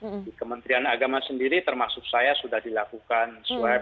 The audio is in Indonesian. sejak awal di kementerian agama sendiri termasuk saya sudah dilakukan swab ketika kembali dari ntb